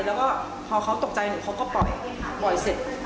แล้วก็พอเขาตกใจหนูเขาก็ปล่อยปล่อยเสร็จ